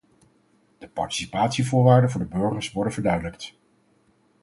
De participatievoorwaarden voor de burgers worden verduidelijkt.